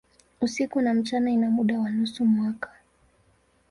Usiku na mchana ina muda wa nusu mwaka.